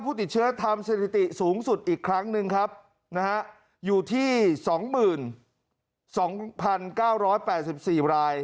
ยอดผู้ติดเชื้อธรรมเศรษฐิสูงสุดอีกครั้งหนึ่งอยู่ที่๒๒๙๘๔ราย